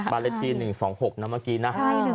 บ้านเลขที่๑๒๖นะเมื่อกี้นะ